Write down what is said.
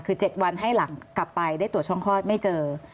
คือ๗วันให้หลังกลับไปได้ตรวจช่องคลอดไม่เจอ